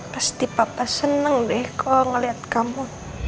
pasti papa seneng deh kalau ngeliat kamu